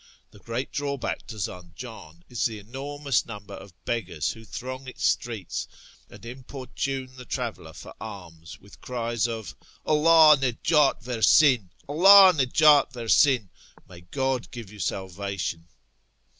The great drawback to Zanjan is the enormous number of beggars who throng its streets and importune the traveller for alms with cries of "Allah oiejdt versin ! Alldh nejdt versin !"(" May God give you salvation